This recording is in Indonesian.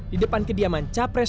di depan kediaman capres dua puluh